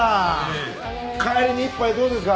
帰りに一杯どうですか？